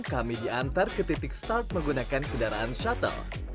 kami diantar ke titik start menggunakan kendaraan shuttle